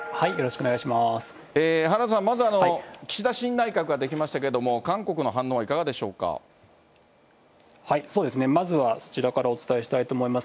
原田さん、まず岸田新内閣ができましたけれども、韓国の反応はいかがでしょそうですね、まずはそちらからお伝えしたいと思います。